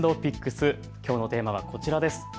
きょうのテーマはこちらです。